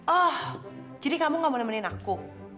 oh jadi kamu gak mau nemenin aku